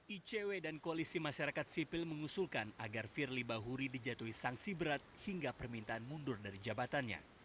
icw dan koalisi masyarakat sipil mengusulkan agar firly bahuri dijatuhi sanksi berat hingga permintaan mundur dari jabatannya